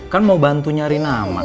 kan mau bantu nyari nama